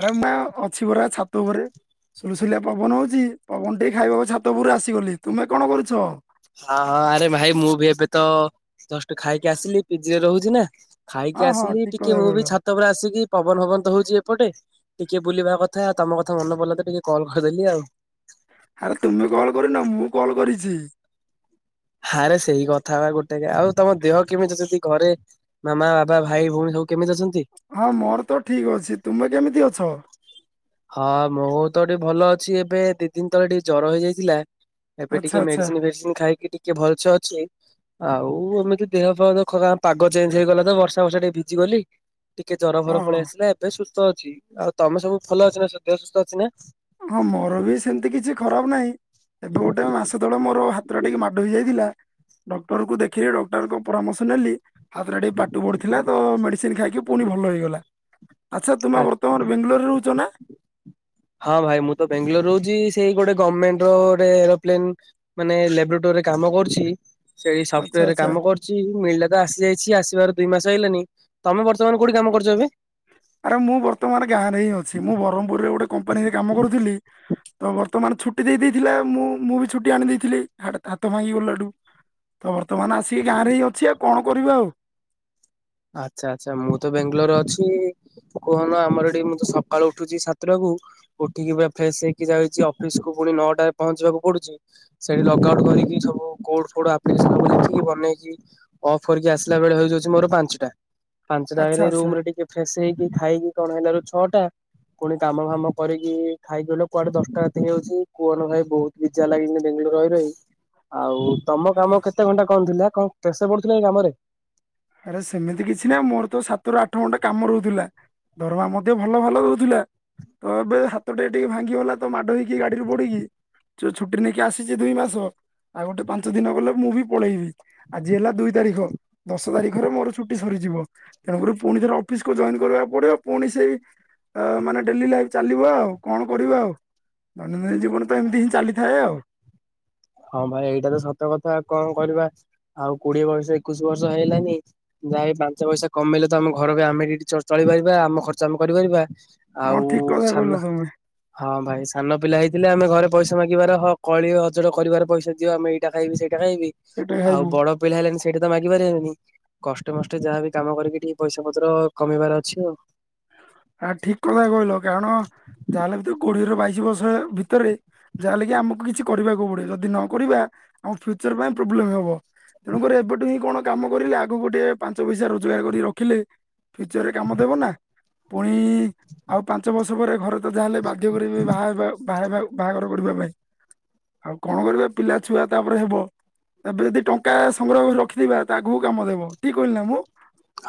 ଆରେ [unintelligible] ଅଛି ପରା ଛାତ ଉପରେ। ସୁଲସୁଲିଆ ପବନ ହଉଚି। ପବନ ଟିକେ ଖାଇବାକୁ ଛାତ ଉପରକୁ ଆସିଗଲି। ତୁମେ କଣ କରୁଛ? ହଁ ହଁ, ଆରେ ଭାଇ ମୁଁ ବି ଏବେ ତ ଜଷ୍ଟ ଖାଇକି ଆସିଲି। ପିଜିରେ ରହୁଛି ନା। ହଁ ଖାଇକି ହଁ ଆସିଲି। ଠିକ କଥା ଟିକେ ମୁଁ କହିଲ ବି ଛାତ ଉପରେ ଆସିକି ପବନ ହବନ ତ ହଉଛି ଏପଟେ। ଟିକେ ବୁଲିବା କଥା। ତମ କଥା ମନେ ପଡିଲା ତ ଟିକେ କଲ କରିଦେଲି ଆଉ। ଆରେ ତୁମେ କଲ୍ କରିନ। ମୁଁ କଲ୍ କରିଚି। ହା ରେ ସେଇ କଥା ବା ଗୋଟେ। ଆଉ ତମ ଦେହ କେମିତି ସେଥି ଘରେ ମାମା, ବାବା, ଭାଇ, ଭଉଣୀ ସବୁ କେମିତି ଅଛନ୍ତି? ହଁ ମୋର ତ ଠିକ ଅଛି। ତୁମେ କେମିତି ଅଛ? ହଁ ମୋର ତ ଟିକେ ଭଲ ଅଛି ଏବେ। ଦି ଦିନ ତଳେ ଟିକେ ଜର ହେଇଯାଇଥିଲା। ଏବେ ଆଚ୍ଛା ଟିକେ ଆଚ୍ଛା ମେଡିସିନ ଫେଡିସିନ ଖାଇକି ଟିକେ ଭଲସେ ଅଛି। ଆଉ ଏମିତି ଦେହ ପା ତ ଖରାପ୍। ପାଗ ଚେଞ୍ଜ ହେଇଗଲା ତ ବର୍ଷା ଫର୍ଷା ରେ ଟିକେ ଭିଜିଗଲି। ଟିକେ ଜର ହଁ ଫର ହଁ ପଳେଇ ଆସିଲା ଏବେ ସୁସ୍ଥ ଅଛି ଆଉ ତମେ ସବୁ ଭଲ ଅଛ ନା ସବୁ ଦେହ ସୁସ୍ଥ ଅଛି ନା? ହଁ ମୋର ବି ସେମିତି କିଛି ଖରାପ ନାହିଁ। ଏବେ ଗୋଟେ ମାସ ତଳେ ମୋର ହାତ ଟା ଟିକେ ମାଡ ହେଇଯାଇଥିଲା। ଡକ୍ଟର କୁ ଦେଖିଇ ଡକ୍ଟରଙ୍କ ପରାମର୍ଶ ନେଲି। ହାତଟା ଟିକେ ପାଟୁ ପଡିଥିଲା ତ ମେଡିସିନ ଖାଇକି ପୁଣି ଭଲ ହେଇଗଲା। ଆଚ୍ଛା ତୁମେ ବର୍ତ୍ତମାନ ବେଙ୍ଗଲୋରରେ ରହୁଚ ନା? ହଁ ଭାଇ ମୁଁ ତ ବେଙ୍ଗଲୋର ରହୁଚି ସେଇ ଗୋଟେ ଗମେଣ୍ଟ ର ଗୋଟେ ଏରୋପ୍ଲେନ ମାନେ ଲେବୋରେଟୋରୀରେ କାମ କରୁଚି ସେଇ ଆଚ୍ଛା ସଫଟୱରେ ଆଚ୍ଛା କାମ କରୁଚି ମିଳିଲା ତ ଆସି ଯାଇଚି ଆସିବାର ଦୁଇ ମାସ ହେଇଲାନି। ତମେ ବର୍ତ୍ତମାନ କୋଉଠି କାମ କରୁଚ ଏବେ? ଆରେ ମୁଁ ବର୍ତ୍ତମାନ ଗାଁରେ ହିଁ ଅଛି ମୁଁ ବ୍ରହ୍ମପୁରରେ ଗୋଟେ କମ୍ପାନୀରେ କାମ କରୁଥିଲି। ତ ବର୍ତ୍ତମାନ ଛୁଟି ଦେଇ ଦେଇଥିଲା ମୁଁ ମୁଁ ବି ଛୁଟି ଆଣି ଦେଇଥିଲି ହାତ ଭାଙ୍ଗି ଗଲାଠୁ। ତ ବର୍ତ୍ତମାନ ଆସିକି ଗାଁରେ ହିଁ ଅଛି ଆଉ କଣ କରିବା ଆଉ। ଆଚ୍ଛା ଆଚ୍ଛା ମୁଁ ତ ଵେଙ୍ଗଲୋରରେ ଅଛି। କୁହନା ଆମର ଏଠି ମୁଁ ତ ସକାଳୁ ଉଠୁଚି ସାତଟାକୁ। ଉଠିକି ଵା ଫ୍ରେଶ ହେଇକି ଯାଉଚି ଅଫିସକୁୁ ପୁଣି ନଅଟାରେ ପହଞ୍ଚିବାକୁ ପଡୁଚି। ସେଠି ଲକ ଆଉଟୁ କରିକି ସବୁ କୋଡ ଫୋଡ ଆପ୍ଲିକେସନ ବନେଇକି ଅଫ୍ କରିକି ଆସିଲା ବେଳେ ହେଇଯାଉଚି ମୋର ପାଞ୍ଚଟା ଆଚ୍ଛା ପାଞ୍ଚଟାରେ ଆଚ୍ଛା ରୁମ ରେ ଟିକେ ଫ୍ରେସ ହେଇକି ଖାଇକି କଣ ହେଲା ରୁ ଛଅ ଟା। ପୁଣି କାମ ଫାମ କରିକି ଖାଇକିଗଲେ କୁଆଡେ ଦଶଟା ରାତି ହେଇଯାଉଛି କୁହନା ଭାଇ ବହୁତ ବିଜାର ଲାଗିନି ବେଙ୍ଗଲୋର ରେ ରହି ରହି ଆଉ ତମ କାମ କେତେ ଘଣ୍ଟା କଣ ଥିଲା କଣ ପ୍ରେଶର ପଡୁଥିଲା କି କାମରେ। ଆରେ ସେମିତି କିଛି ନା ମୋର ତ ସାତରୁ ଆଠ ଘଣ୍ଟା କାମ ରହୁଥିଲା। ଦରମା ମଧ୍ୟ ଭଲ ଭଲ ଦୋଉଥିଲା। ତ ଏବେ ହାତ ଟେ ଟିକେ ଭାଙ୍ଗି ଗଲା ତ ମାଡ ହେଇକି ଗାଡିରୁ ପଡିକି ଛୁଟି ନେଇକି ଆସିଛି ଦୁଇ ମାସ। ଆଉ ଗୋଟେ ପାଞ୍ଚ ଦିନ ଗଲେ ମୁଁ ବି ପଳେଇବି ଆଜି ହେଲା ଦୁଇ ତାରିଖ। ଦଶ ତାରିଖରେ ମୋର ଛୁଟି ସରିଯିବ ତେଣୁକରି ପୁଣି ଥରେ ଅଫିସକୁ ଜଏନ କରିବାକୁ ପଡିବ ପୁଣି ସେଇ ଆ ମାନେ ଡେଲି ଲାଇଫ ଚାଲିବ ଆଉ କଣ କରିବା ଆଉ? ଦୈନନ୍ଦିନ ଜୀବନ ତ ଏମିତି ହିଁ ଚାଲିଥାଏ ଆଉ। ହଁ ଭାଇ ଏଇଟା ତ ସତ କଥା କଣ କରିବା ଆଉ କୋଡିଏ ବର୍ଷ ଏକୋଇଶି ବର୍ଷ ହେଇଲାନି ଯାଇ ପାଞ୍ଚ ପଇସା କମେଇଲେ ତ ଆମ ଘର ବି ଆମେ ଟ ଚଳିପାରିବା ଆମ ଖର୍ଚ୍ଚ ଆମେ କରିପାରିବା। ହଁ ଆଉ ଠିକ କଥା କହିଲ ଛାନ ତମେ ହଁ ଭାଇ ସାନ ପିଲା ହେଇଥିଲେ ଆମେ ଘରେ ପଇସା ମାଗିବାର ହ କଳି ଅ ଯୋଟା କରିବାର ପଇସା ଦିଅ ଆମେ ଏଇଟା ଖାଇବି ସେଇଟା ଖାଇବି ସେଇଟା ଖାଇବୁ ଆଉ ବଡ ପିଲା ହେଲେଣି ସେଇଟା ତ ମାଗି ପାରିବାନି। କଷ୍ଟେ ମଷ୍ଟେ ଯାହାବି କାମ କରିକି ଟିକେ ପଇସା ପତ୍ର ଅ କମେଇବାର ଅଛି ଆଉ। ଆ ଠିକ କଥା କହିଲ କାରଣ ଯାହା ହେଲେ ବି ତ କୋଡିଏ ରୁ ବାଇଶି ବର୍ଷ ଭିତରେ ଯା ହେଲେ କିି ଆମକୁ କିଛି କରିବାକୁ ପଡିବ ଯଦି ନକରିବା ଆମ ଫ୍ୟୁଚର ପାଇଁ ପ୍ରୋବ୍ଲେମ ହବ। ତେଣୁକରି ଏବେଠୁ ହିଁ କଣ କାମ କରିଲେ ଆଗକୁଟେ ପାଞ୍ଚ ପଇସା ରୋଜଗାର କରି ରଖିଲେ ଫ୍ୟୁଚରରେ କାମ ଦେବ ନା। ପୁଣି ଆଉ ପାଞ୍ଚ ବର୍ଷ ପରେ ଘରେ ତ ଯାହାହେଲେ ବାଧ୍ୟ କରିବେ ବାହା ହବା ବାହାବା ବାହାଘର କରିବା ପାଇଁ ଆଉ କଣ କରିବା ପିଲା ଛୁଆ ତାପରେ ହେବ। ଏବେ ଯଦି ଟଙ୍କା ସଂଗ୍ରହ କରି ରଖିଥିବା ତା ଆଗକୁ କାମ ଦେବ ଠିକ କହିଲି ନା ମୁଁ।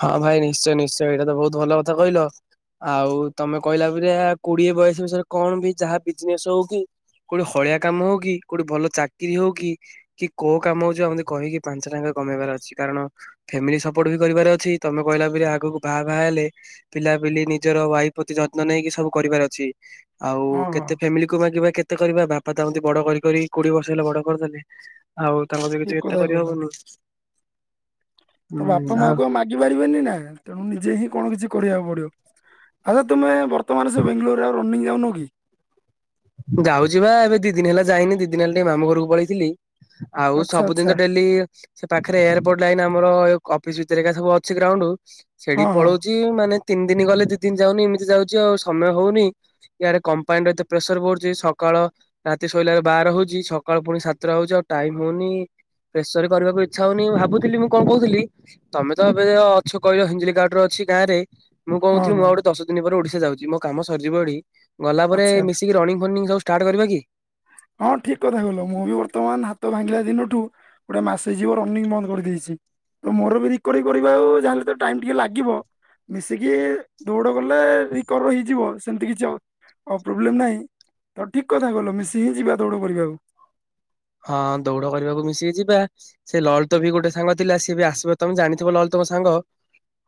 ହଁ ଭାଇ ନିଶ୍ଚୟ ନିଶ୍ଚୟ ଏଇଟା ତ ବହୁତ ଭଲ କଥା କହିଲ। ଆଉ ତମେ କହିଲା ପରିଆ କୋଡିଏ ବୟସ ବିଷୟରେ କଣ ବି ଯାହା ବିଜନେସ ହଉ କି କୋଉଠି ହଳିଆ କାମ ହଉ କି କୋଉଠି ଭଲ ଚାକିରି ହଉ କି କି କୋଉ କାମ ହଉଛି ଆମେ କହିକି ପାଞ୍ଚ ଟଙ୍କା କମେଇବାର ଅଛି କାରଣ ଫ୍ୟାମିଲି ସପୋର୍ଟ ବି କରିବାର ଅ ଛି ତମେ କହିଲା ପରିଆ ଆଗକୁ ବାହା ବାହା ହେଲେ ପିଲାପିଲି ନିଜର ୱାଇଫ ପ୍ରତି ଯତ୍ନ ନେଇକି ସବୁ କରିବାର ଅଛି ଆଉ-ଉ ହଁ ହଁ କେତେ ଫ୍ୟାମିଲି କୁ ମାଗିବା କେତେ କରିବା ବାପା ଆମତିକି ବଡ କରି କରି କୋଡିଏ ବର୍ଷ ହେଲା ବଡ କରିଦେଲେ ଆଉ ତାଙ୍କୁ ତ ଠିକ କିଛି କଥା ଏତେ କରି କହିଲ। ହବନି ହୁଁ ଆ ବୁଝି ପାରିବେନି ନାଁ ତେଣୁ ନିଜେ ହିଁ କଣ କିଛି କରିବାକୁ ପଡିବ ଆଚ୍ଛା ତୁମେ ବର୍ ତମମାନେ ସେ ବେଙ୍ଗଲୋରରେ ଆଉ ରନିଂ ଯାଉନ କି? ଯାଉଛି ବା ଏବେ ଦି ଦିନ ହେଲା ଯାଇନି ଦି ଦିନ ହେଲା ଟିକେ ମାମୁ ଘରକୁ ପଳେଇଥିଲି ଆଉ ଆଚ୍ଛା ସବୁଦିନ ଆଚ୍ଛା ତ ଡେଲିଇ ସେ ପାଖରେ ଏୟାରପୋର୍ଟ ଲାଇନ ଆମର-ଅ ଅଫିସ ଭିତରେ ଏକା ସବୁ ଅଛି ଗ୍ରାଉଣ୍ଡ ହଁ ସେଇଠିକି ହଁ ପଳଉଛି ତି ମାନେ ତିନି ଦିନ ଗଲେ ଦି ଦିନ ଯାଉନି ଏମିତି ଯାଉଛି ଆଉ ସମୟ ହଉନି ଇଆଡେ କମ୍ପାଇନର ଏତେ ପ୍ରେସର ବ ଚି ସକାଳ ରାତି ଶୋଇଲାଳୁ ବାର ହଉଛି ସକାଳ ପୁଣି ସାତଟା ହଉଛି ଆଉ ଟାଇମ ହଉନି ପ୍ରେଶରେ କରିବାକୁ ଇଚ୍ଛା ହଉନି ମୁ ଭାବୁଥିଲି ମୁଁ କଣ କହୁଥିଲି ତମେ ତ ଏବେ ଅଛ କହିଲ ହିଞ୍ଜିଲିକାଟୁ ରେ ଅଛି ଗାଁ ରେ ମୁଁ ହଁ କହୁଥିଲି ମୁଁ ହଁ ଆଉ ଗୋଟେ ଦଶ ଦିନ ପରେ ଓଡିଶା ଯାଉଛି ମୋ କାମ ସରିଯିବ ଏଠି ଗଲା ପରେ ଏ ଆଚ୍ଛା ମିଶିକି ରଣିଙ୍ଗ ମର୍ଣ୍ଣିଂ ସବୁ ଷ୍ଟାର୍ଟ କରିବା କି? ହଁ ଠିକ କଥା କହିଲ ମୁଁ ବି ବର୍ତ୍ତମାନ ହାତ ଭାଙ୍ଗିଲା ଦିନଠୁ ଗୋଟେ ମାସ ଯିବ ରନିଙ୍ଗ ବନ୍ଦ କରିଦେଇଛି ତ ମୋର ବି ରିକୋରି କରିବା ଆଉ ଜାହେଲେ ତ ଟାଇମ ଟିକେ ଲାଗିବ ମିଶିକି ଦୌଡ଼ ଗଲେ ରିକବର ହେଇଯିବ ସେମିତି କିଛି ଅ ହଉ ପ୍ରୋବ୍ଲେମ ନାହିଁ ତମେ ଠିକ କଥା କଇଲ ମିଶି ହିଁ ଯିବା ଦୌଡ କରିବାକୁ। ହଁ ଦୌଡ଼ କରିବାକୁ ମିଶିକି ଯିବା ସେ ଲଳିତ ଭି ଗୋଟେ ସାଙ୍ଗ ଥିଲା ସିଏ ବି ଆସିବ ତମେ ଜାଣିଥିବ ଲଳିତଙ୍କ ସାଙ୍ଗ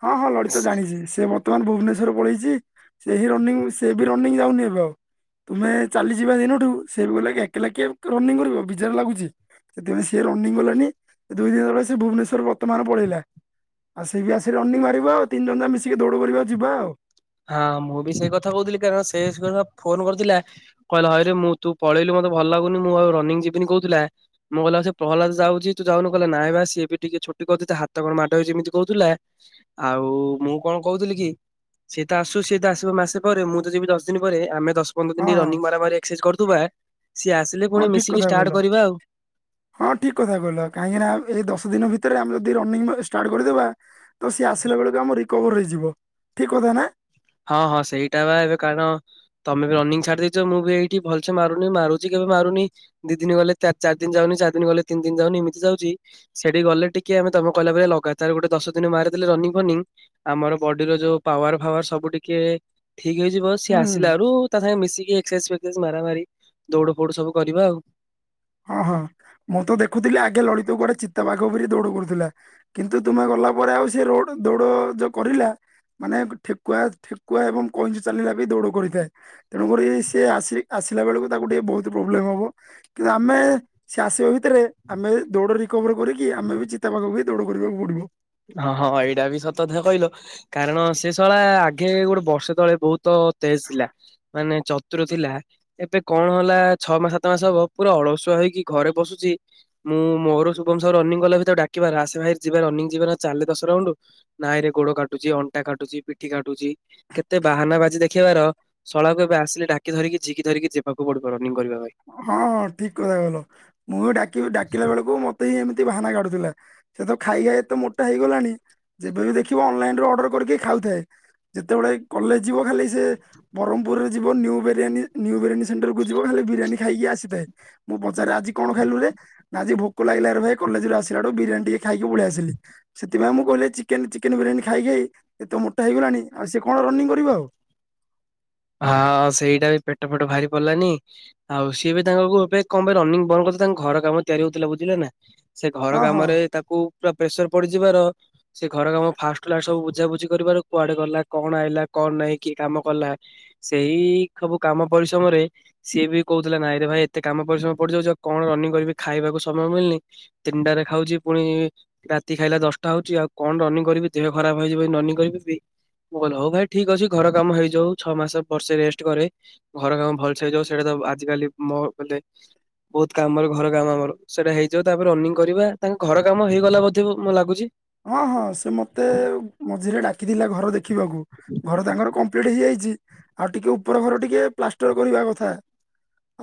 ହଁ ହଁ ଲଳିତ ଜାଣିଛି ସିଏ ମୋ ତମାନ ଭୁବନେଶ୍ୱର ପଳେଇଛି ସେହି ରନିଙ୍ଗ ସେବି ରନିଂ ଯାଉନି ଏବେ ଆଉ ତୁମେ ଚାଲିଯିବା ଦିନଠୁ ସେ ବି କହିଁଲା ଏକେଲା କିଏ ରନିଂ କରିବ ବିଜାର ଲାଗୁଛି ସେଥିପାଇଁ ସିଏ ରନିଂ ଗଲାନି ଦୁଇ ଦିନ ଗଲା ସେ ଭୁବନେଶ୍ୱର ବର୍ତ୍ତମାନ ପଳେଇଲା ଆଉ ସେ ବି ଆସ ସେ ରନିଂ ମାରିବ ଆଉ ତିନି ଜଣ ଯାଙ୍କ ମିଶିକି ଦୌଡ଼ କରିବା ଯିବା ଆଉ ହଁ ମୁଁ ବି ସେଇ କଥା କହୁଥିଲି କାରଣ ସେ କ ଫୋନ କରିଥିଲା କହିଲା ହଇରେ ମୁଁ ତୁ ପଳେଇଲୁ ମତେ ଭଲ ଲାଗୁନି ମୁଁ ଆଉ ରନିଂ ଯିବିନି କହୁଥିଲା ମୁଁ କହିଲ ସେ ପ୍ରହ୍ଦ ଯାଉଛି ତୁ ଯାଉନୁ କହିଲ ନାଇଁ ସିଏ ବି ଟିକେ ଛୁଟି କହୁ ହାତ କଣ ମାଡଉ ଯେମିତି କହୁଥିଲା। ଆଉ ମୁଁ କଣ କହୁଥିଲି କି ସିଏ ତ ଆସୁ ସିଏ ତ ଆସିବ ମାସେ ପରେ ମୁଁ ତ ଯିବି ଦଶ ଦିନ ପରେ ଆମେ ଦଶ ପନ୍ଦର ହଁ ଦିନ ହଁ ରନିଙ୍ଗ ମାର ମାରି କରୁଥିବା ସିଏ ଆସିଲେ ହଁ ପୁଣି ଠିକ ମିଶିକି କଥା କହିଲ ଷ୍ଟାର୍ଟ କରିବା ଆଉ ହଁ ଠିକ କଥା କହିଲ କାହିଁକି ନାନା ଏଇ ଦଶ ଦିନ ଭିତରେ ଆମେ ଯଦି ରନିଂ ଷ୍ଟାର୍ଟ କରିଦେବା ତ ସିଏ ଆସିଲା ବେଳକୁ ଆମ ରିକଭର ହେଇଯିବ ଠିକ୍ କଥା ନା? ହଁ ହଁ ସେଇଟା ବା ଏବେ କାରଣ ତମେ ବି ରନିଂ ଛାଡିଦେଇଛ ମୁଁ ବି ଏଇଠି ଭଲସେ ମାରୁନି ମାରୁଛି କେବେ ମାରୁନି ଦି ଦିନ ଗଲେ ଚାରି ଦିନ ଯାଉନି ଚାରି ଦିନ ଗଲେ ତିନି ଦିନ ଯାଉନି ଏମିତି ଯାଉଛି ସେଠି ଗଲେ ଟିକେ ଆମେ ତମେ କହିଲ ପରେ ଲଗାତାର ଗୋଟେ ଦଶ ଦିନ ମାରିଦେଲେ ରନିଙ୍ଗ ଫନିଂ ଆମର ବଡିର ଯୋଉ ପାୱାର ଫାୱାର ସବୁ ଟିକେ ଠିକ ହେଇଯିବ ସିଏ ହୁଁ ହୁଁ ଆସିଲା ରୁ ତା ସାଙ୍ଗେ ମିଶିକି ଏକ୍ସରସାଇଜ ଫଜ ମାରାମାରି ଦୌଡ ଫୋଡ ସୁ କରିବା ଆଉ ହଁ ହଁ ମୁଁ ତ ଦେଖୁଥିଲି ଆଗେ ଲଳିତ କୁଆଡେ ଚିତାବାଘ ପରି ଦୌଡ କରୁଥିଲା କିନ୍ତୁ ତୁମେ ଗଲା ପରେ ଆଉ ସେ ରୋଡ଼ ଦୌଡ଼ ଯୋଉ କରିଲା ମାନେ ଠେକୁଆ ଠେକୁଆ ଏବଂ କଇଁଚ ଚାଲିଲା ବି ଦୌଡ଼ କରିଥାଏ। ତେଣୁକରି ସିଏ ଆସି ଆସିଲା ବେଳକୁ ତାକୁ ଟିକେ ବହୁତ ପ୍ରୋବ୍ଲେମ ହବ। କିନ୍ତୁ ଆମେ ସେ ଆସିବା ଭିତରେ ଆମେ ଦୌଡ଼ ରିକଭର କରିକି ଆମେ ବି ଚିତା ପାଖକୁ ବି ଦୌଡ଼ କରିବାକୁ ପଡିବ। ହଁ ହଁ ଭାଇ ଏଇଟା ବି ସତ କଥା କହିଲ। କାରଣ ସେ ଷଳା ଆଗେ ଗୋଟେ ବର୍ଷେ ତଳେ ବହୁତ ତେଜ ଥିଲା। ମାନେ ଚତୁର ଥିଲା। ଏବେ କଣ ହେଲା ଛଅ ମାସ, ସାତ ମାସ ହବ ପୁରା ଅଳସୁଆ ହେଇକି ଘରେ ବସୁଛି। ମୁଁ ମୋର ଶୁଭମ ସହ ରନିଂ କଲା ଭିତରେ ଡାକିବାର ଆସେ ଭାଇ ଯିବା ରନିଂ ଯିବା ନା ଚାଲେ ଦଶ ରାଉଣ୍ଡୁ ନାଇଁ ରେ ଗୋଡ କାଟୁଛି, ଅଣ୍ଟା କାଟୁଛି, ପିଠି କାଟୁଛି କେତେ ବାହାନା ବାଜି ଦେଖେଇବାର ଶଳାକୁ ଏବେ ଆସିଲେ ଡାକି ଧରିକି ଝିକି ଧରିକି ଯିବାକୁ ପଡିବ ରନିଙ୍ଗ କରିବା ପାଇଁ। ହଁ ହଁ ଠିକ କଥା କହିଲ ମୁଁ ବି ଡାକିବି ଡାକିଲା ବେଳକୁ ମତେ ଇଏ ଏମିତି ବାହାନା କାଢୁଥିଲା। ସେ ତ ଖାଇ ଖାଇ ଏତେ ମୋଟା ହେଇଗଲାଣି। ଯେବେ ବି ଦେଖିବ ଅନଲାଇନରୁ ଅର୍ଡର କରିକି ଖାଉଥାଏ। ଯେତେବେଳେ କଲେଜ ଯିବ ଖାଲି ସେ ବରମ୍ପୁରରେ new biryani new biryani centre କୁ ଯିବ ଖାଲି ବିରିୟାନୀ ଖାଇକି ଆସିଥାଏ ମୁଁ ପଚାରରେ ଆଜି କଣ ଖାଇଲୁଣି ନା ଆଜି ଭୋକ ଲାଗିଲାରେ ଭାଇ କଲେଜରୁ ଆସିଲାଠୁ ବିରିୟାନି ଟିକେ ଖାଇକି ପଳେଆସିଲି। ସେଥିପାଇଁ ମୁଁ କହିଲ ଚେନ୍ ଚିକେନ ବିରିୟାନୀ ଖାଇଖାଇ ଏତେ ମୋଟା ହେଇଗଲାଣି ଆଉ ସେ କଣ ରନିଂ କରିବ ଆଉ। ହଁ ସେଇଟା ବି ପେଟ ଫେଟ ଭାରି ପଲାନି। ଆଉ ସିଏ ବି ତାଙ୍କଙ୍କୁ ଗୋଟେ କଅଁପାଇ ରନିଙ୍ଗ୍ ବନ୍ଦ କରି ତାଙ୍କ ଘର କାମ ତିଆରି ହଉଥିଲା ବୁଝିଲା ନା ସେ ଘର ହଁ ହଁ। କାମରେ ତାକୁ ପୁରା ପ୍ରେସର ପଡିଯିବାର ସେ ଘର କାମ ଫାଷ୍ଟୁରୁ ଲାଷ୍ଟ ସବୁ ବୁଝା ବୁଝି କରିବାର କୁଆଡେ ଗଲା କଣ ଆଇିଲା କଣ ନାହିଁ କିଏ କାମ କଲା। ସେଇ ସବୁ କାମ ପରିଶ୍ରମରେ ସିଏ ବି କହୁଥିଲା ନାଇଁରେ ଭାଇ ଏତେ କାମ ପରିଶ୍ରମ ପଡିଯାଉଚି ଆଉ କଣ ରନିଂ କରିବି ଖାଇବାକୁ ସମୟ ମିଳୁନି। ତିନିଟାରେ ଖାଉଛି ପୁଣି ରାତି ଖାଇଲା ଦଶଟା ହଉଚି ଆଉ କଣ ରନିଂଙ୍ଗ୍ କରିବି ଦେହ ଖରାପ ହେଇଯିବ ରନିଂ କରିବି ପି ମୁଁ କହିଲି ହଉ ଭାଇ ଠିକ ଅଛି ଘର କାମ ହେଇଯାଉ। ଛଅ ମାସ ବର୍ସେ ରେଷ୍ଟ କରେ ଘର କାମ ଭଲସେ ହେଇଯାଉ ସେଇଟା ତ ଆଜି କାଲି ମୋ ବଲେ [unintelligible] ବହୁତ କାମର ଘର କାମ ଆମର ସେଇଟା ହେଇଯିବ ତାପରେ ରନିଙ୍ଗ୍ କରିବା ତାଙ୍କ ଘର କାମ ହେଇଗଲା ବୋଧେ ମଁ ଲାଗୁଛି। ହଁ ହଁ ସେ ମତେ ମଝିରେ ଡାକିଥିଲା ଘର ଦେଖିବାକୁ। ଘର ତାଙ୍କର କମ୍ପ୍ଲିଟ ହେଇଯାଇଚି ଆଉ ଟିକେ ଉପର ଘର ଟିକେ ପ୍ଲାଷ୍ଟର କରିବା କଥା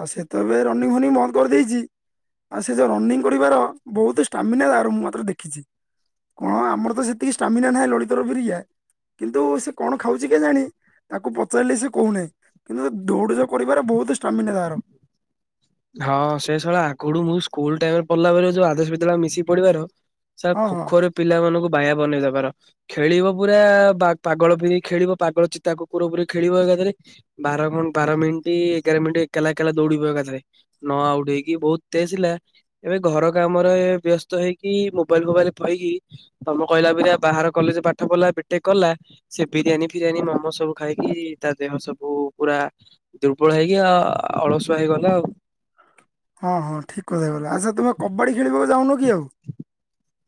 ଆଉ ସେତେବେ ରନିଂଙ୍ଗ୍ ଫନିଙ୍ଗ୍ ବନ୍ଦ କରିଦେଇଚି। ଆଉ ସେ ଯୋଉ ରନିଂଙ୍ଗ୍ କରିବାର ବହୁତ ଷ୍ଟାମିନା ମୁଁ ମାତ୍ର ଦେଖିଚି। କଣ ଆମର ତ ସେତିକି ଷ୍ଟାମିନା ନାହିଁ ଲଳିତାର ବିରିୟା କିନ୍ତୁ ସେ କଣ ଖାଉଛି କି ଜାଣି? ତାକୁ ପଚାରିଲେ ସେ କହୁନାହିଁ କିନ୍ତୁ ଦୌଡି କରିବାରେ ବହୁତ ଷ୍ଟାମିନା ତାର। ହଁ ସେ ଶଳା ଆଗଡୁ ମୁଁ ସ୍କୁଲ ଟାଇମ ରେ ପଢ଼ିଲା ବେଳେ ଯୋଉ ଆଦର୍ଶ ବିଦ୍ୟାଳୟ ମିଶିକି ପଢ଼ିବାର ସାର୍ ହଁ ଖୋ ହଁ ଖୋରେ ପିଲା ମାନଙ୍କୁ ବାୟା ବନେଇ ଦବାର। ଖେଳିବ ପୁରା ପା ପାଗଳ ପିରି ଖେଳିବ ପାଗଳ ଚିତା କୁକୁର ପରି ଖେଳିବ ଏକାଥରେ। ବାର ଘଣ୍ ବାର ମିନିଟ୍ ଏଗାର ମିନିଟ୍ ଏକଲା ଏକାଲା ଦୌଡିବ ଏକଥରେ। ନ ଆଉଟ୍ ହେଇକି ବହୁତ ତେଜ ଥିଲା। ଏବେ ଘର କାମରେ ବ୍ୟସ୍ତ ହେଇକି ମୋବାଇଲ ଫୋବାଇଲ ପକି ତମେ କହିଲା ପରିକା ବାହାର କଲେଜରେ ପାଠ ପଢିଲା ବିଟେକ୍ କଲା। ସେ ବିରିୟାନୀ ଫିରିୟାନୀ ମୋମୋ ସବୁ ଖାଇକି ତା ଦେହ ସବୁ ପୁରା ଦୁର୍ବଳ ହେଇକି ଆ ଅଳସୁଆ ହେଇଗଲା ଆଉ। ହଁ ହଁ ଠିକ୍ କଥା କହିଲ ଆଚ୍ଛା ତମେ କବାଡ଼ି ଖେଳିବାକୁ ଯାଉନ କି ଆଉ?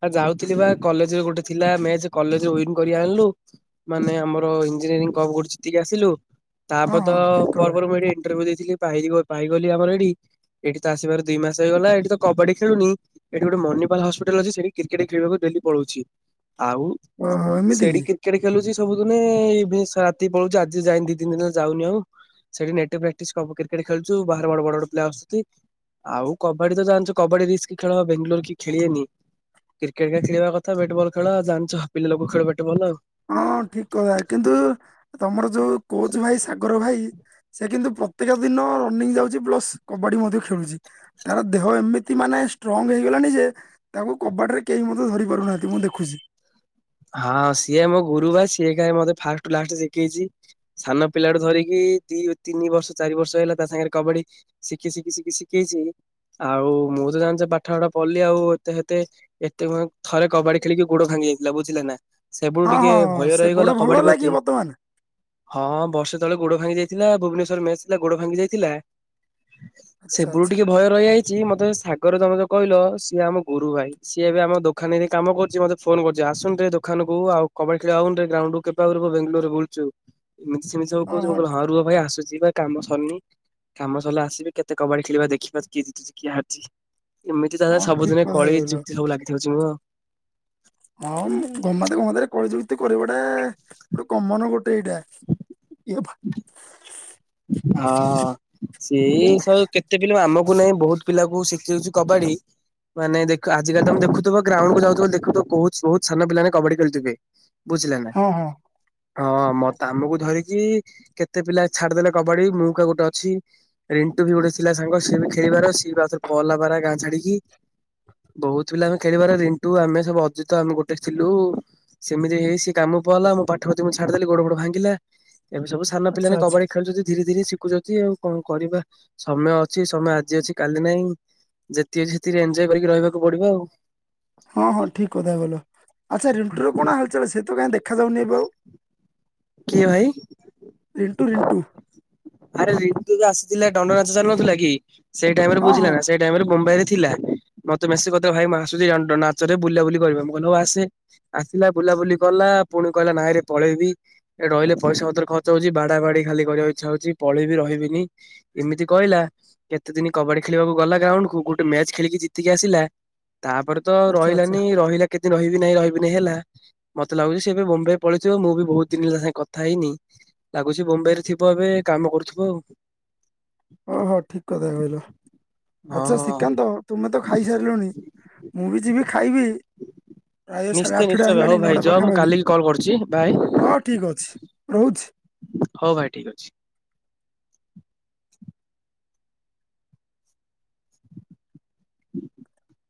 ଆ ଯାଉଥିଲିପା କଲେଜରେ ଗୋଟେ ଥିଲା ମଯେ କଲେଜରେ ଉଇନ୍ କରି ଆଣିଲୁ। ମାନେ ଆମର ଇଞ୍ଜିନିୟରି କ କରୁତିକି ଆସିଲୁ ହଁ ତାପରେ ତ ହଁ ଠିକ [unintelligible] କଥା ଇଣ୍ଟର ଭ୍ୟୁ ଦେଇଥିଲି ପାଇଗଲି ଆମର ଏଠି ଏଠି ତ ଆସିବାର ଦୁଇ ମାସ ହେଇଗଲା ଏଇଠି ତ କବାଡି ଖେଳୁନି। ଏଠି ଗୋଟେ ମନିପାଲ ହସ୍ପିଟାଲ ଅଛି ସେଠି କ୍ରିକେଟ ଖେଳିବାକୁ ଡେଲି ପଲଉଛି ଆଉ ଓହୋ ଏମିତି ସେଠି କି କ୍ରେଟ ଖେଳୁଛି ସବୁ ଦିନ ଇ ରାତି ପଳଉଛି ଆଜି ଯାଇନି ଦି ତିନି ଦିନ ଯାଉନି ଆଉ। ସେଠି ନେଟ ପ୍ରାକ୍ଟିସ କ କ୍ରିକେଟ ଖେଲଚୁ ବାହାରେ ବଡ ବଡ ପିଲା ଆସୁଛତି। ଆଉ କବାଡି ତ ଜାଣିଛ କବାଡି ରିସ୍ କି ଖେଳ ବାେଙ୍ଗାଲୋର କି ଖେଳିଆନି। କ୍ରିକେଟ ଖେଳିବା କଥା ବ୍ଯାଟବଲ ଖେଳ ଆ ଜାଛ ପିଲା ଲୋକ ଖେଳ ବ୍ଯାଟବଲ। ହଁ ଠିକ କଥା କିନ୍ତୁ ତମର ଯୋଉ କୋଚ ଭାଇ ସାଗର ଭାଇ ସେ କିନ୍ତୁ ପ୍ରତ୍ୟେକ ଦିନ ରନିଂ ଯାଉଛି ପ୍ଲସ କବାଡି ମଧ୍ୟ ଖେଳୁଛି। ତାର ଦେହ ଏମିତି ମାନେ ଷ୍ଟ୍ରଙ୍ଗ ହେଇଗଲାଣି ଯେ ତାକୁ କବାଟ ରେ କେହି ମଧ୍ୟ ଧରି ପାରୁନାହାନ୍ତି ମୁଁ ଦେଖୁଛି। ହଁ ସିଏ ମୋ ଗୁରୁ ବା ସିଏ ଖା ମତେ ଫାଷ୍ଟ ରୁ ଲାଷ୍ଟ ଶିଖେଇଛି। ସାନ ପିଲାଡୁ ଧରିକି ଦି ତିନି ବର୍ଷ ଚାରି ବର୍ଷ ହେଲା ତା ସାଙ୍ଗରେ କବାଡି ଶିଖି ଶିଖି ଶିଖି ଶିଖେଇଛି ଆଉ ମୁଁ ତ ଜାଣିଛ ପାଠପଠ ପଢ଼ିଲି ଆଉ ଏତେ ହେତେ ଏତେ ଥରେ କବାଡି ଖେଳିକି ଗୋଡ ଭାଙ୍ଗି ଯାଇଥିଲା ବୁଝିଲେ ନା। ସେ ବେଳୁ ହଁ ଟିକେ ହଁ ଭୟ ସେ ଗୋଡ ରହିଗଲା ଭଲ କବାଡି ହେଲା କି ପ୍ରତି ବର୍ତ୍ତମାନ ହଁ ବର୍ଷେ ତଳେ ଗୋଡ ଭାଙ୍ଗି ଯାଇଥିଲା ଭୁବନେଶ୍ୱରରେ ମେସ ଥିଲା ଗୋଡ ଭାଙ୍ଗି ଯାଇଥିଲା। ଆଚ୍ଛା ସେବୁରୁ ଆଚ୍ଛା ଟିକେ ଭୟ ରହିଯାଇଛି ମତେ ସାଗରରେ ତମେ ଯୋଉ କହିଲ ସିଏ ଆମ ଗୁରୁ ଭାଇ ସିଏ ଏବେ ଆମ ଦୋକାନରେ କାମ କରୁଛି ମତେ ଫୋନ କରୁ ଆସୁନୁ ଟିକେ ଦୋକାନ କୁ ଆଉ କବାଡି ଖେଳିବା ଆଉନ ଗ୍ରାଉଣ୍ଡ କୁ କେବେ ବେଙ୍ଗଲୋରେ ବୁଲଛୁ। ଏମିତି ସେମତି ସବୁ କହୁଛି, ମୁଁ କହିଲି ହଁ ରୁହ ଭାଇ ଆସୁଛି ବା। କାମ ସରିନି କାମ ସରିଲେ ଆସିବି କେତେ କବାଡି ଖେଳିବା ଦେଖିବା କିଏ ଜିତୁଛି କିଏ ହାରୁଛି। ଏମିତି ତାେରେ ହଁ ଠିକ ସବୁଦିନ କଥା କଳି କହିଲ ଯୁକ୍ତି ସବୁ ଲାଗିଥାଉଛି ମୁଁ। ହଁ ଗମା ତ [unintelligible] ରେ କଳି ଯୁକ୍ତି କରିବାଟା ଗୋଟେ କମନ ଗୋ ସେଇଟା [unintelligible] ହଁ ଓ ସେଇ ସବୁ କେ ଏତେ ପିଲା ଆମକୁ ନାହିଁ ବହୁତ ପିଲା କୁ ଶିଖିଉଛି କବାଡ଼ି। ମାନେ ଦେଖ ଆଜିକାଲି ତମେ ଦେଖୁଥିବ ଗ୍ରାଉଣ୍ଡ କୁ ଯାଉଥିବ ଦେଖୁଥିବ ବହୁତ ବହୁତ ସାନ ପିଲାମାନେ କବାଡି ଖେଳଥିବେ। ବୁଝିଲେ ନା ହଁ ହଁ ହଁ ମ ତ ଆମକୁ ଧରିକି କେତେ ପିଲା ଛାଡିଦେଲେ କବାଡି ମୌକା ଗୋଟେ ଅଛି। ରିଣ୍ଟୁ ବି ଗୋଟେ ଥିଲା ସାଙ୍ଗ ସିଏ ବି ଖେଳିବାର ସିଏଉଥରେ ପହଲା ପାର ଗାଁ ଛାଡିକି। ବହୁତ ପିଲା ଆମେ ଖେଳିବାର ରିଣ୍ଟୁ ଆମେ ସବୁ ଅଜିତ ଆମେ ଗୋଟେ ଥିଲୁ। ସେମିତି ହେଇ ସିଏ କାମ ପଲା ମୁଁ ପାଠ ପ ମୁଁ ଛାଡିଦେଲି ଗୋଡ ଗୋଡ ଭାଙ୍ଗିଲା ଏବେ ସବୁ ସାନ ପିଲା ଆଚ୍ଛା ନି ଆଚ୍ଛା କବର ଖେଳୁଛନ୍ତି ଧୀରେ ଧୀରେ ଶିଖୁଛନ୍ତି ଆଉ କଣ କରିବା ସମୟ ଅଛି ସମୟ ଆଜି ଅଛି କାଲି ନାହିଁ। ଯେତିକି ଅଛି ସେଥିରେ ଏଞ୍ଜୟ କରିକି ରହିବାକୁ ପଡିବ ଆଉ। ହଁ ହଁ ଠିକ କଥା କହିଲ, ଆଚ୍ଛା ରିଣ୍ଟୁ ର କଣ ହାଲ୍ ଚାଲ୍ ସେ ତ କାହିଁ ଦେଖାଯାଉନି ଏବେ ଆଉ। କିଏ ଭାଇ? ରିଣ୍ଟୁ ରିଣ୍ଟୁ। ଆରେ ରିଣ୍ଟୁ ଆସିଥିଲା ଦଣ୍ଡ ନାଚ ଚାଲନଥିଲା କି ସେଇ ଟାଇମ ରେ ହଁ ବୁଝିଲେ ହଁ ନା ସେ ଟାଇମ୍ ରେ ମୁମ୍ବାଇ ରେ ଥିଲା ମତେ ମେସେଜ କଥିଲା ଭାଇ ମୁ ଆସୁଚି ଦଣ୍ଡ ନାଚରେ ବୁଲା ବୁଲି କରିବା ମୁ କହିଲି ଆସେ। ଆସିଲା ବୁଲାବୁଲି କଲା ପୁଣି କହିଲା ନାଇଁରେ ପଳେଇବି। ଏଟ୍ ରହିଲେ ପଇସା ପତର ଖର୍ଚ୍ଚ ହଉଛି ବାଡା ବାଡି ଖାଲି କରିବାକୁ ଇଛା ହଉଛି ପଳେଇବି ରହିବିନି। ଏମିତି କହିଲା କେତେ ଦିନ କବାଡି ଖେଳିବାକୁ ଗଲା ଗ୍ରାଉଣ୍ଡ କୁ ଗୋଟେ ମ୍ୟାଚ ଖେଳିକି ଜିତିକି ଆସିଲା। ତାପରେ ତ ଆଚ୍ଛା ଆଚ୍ଛା ରହିଲାନି ରହିଲା କେତଦିନ ରହିବି ନାହିଁ ରହିବିନି ହେଲା। ମତେ ଲାଗୁଛି ସେ ଏବେ ବମ୍ବାଇ ପଳେଇଥିବ ମୁଁ ବି ବହୁତ ଦିନ ହେଲା ସାଙ୍ଗେ କଥା ହେଇନି। ଲାଗୁଛି ମୁମ୍ବାଇରେ ଥିବ ଏବେ କାମ କରୁଥିବ ଆଉ। ହଁ ହଁ ଠିକ କଥା କହିଲ। ଆଚ୍ଛା ହଁ ଶ୍ରୀକାନ୍ତ ତୁମେ ତ ଖାଇସାରିଲଣି ମୁଁ ବି ଯିବି ଖାଇବି। ପ୍ରାୟ ସାଢେ ନିଶ୍ଚୟ ଆଠଟା ନିଶ୍ଚୟ ଭାଇ ହେଲାଣି ହଉ ଭାଇ ନଅଟା ଯଅ ମୁଁ ପାଖାପାଖି। କାଲିକି କଲ୍ କରୁଛି ବାଏ ହଁ ଠିକ ଅଛି ରହୁଛି। ହଉ ଭାଇ ଠିକ ଅଛି। ହ